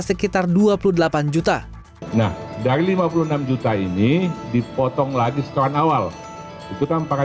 sekitar rp dua puluh delapan